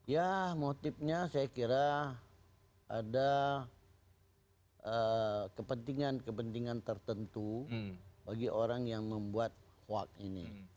ya motifnya saya kira ada kepentingan kepentingan tertentu bagi orang yang membuat hoax ini